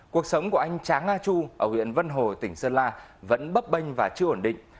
cuộc sống của anh tráng a chu ở huyện vân hồ tỉnh sơn la vẫn bấp bênh và chưa ổn định